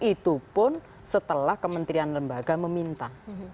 itu pun setelah kementerian lembaga meminta